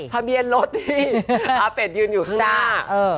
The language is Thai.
พระเบียนรถที่อาเบทยืนอยู่คลังหน้า